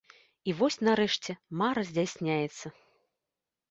І вось, нарэшце, мара здзяйсняецца.